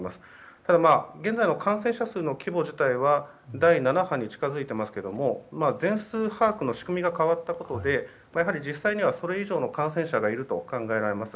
ただ、現在も感染者数の規模自体は第７波に近づいていますが全数把握の仕組みが変わったことで実際にはそれ以上の感染者がいると考えられます。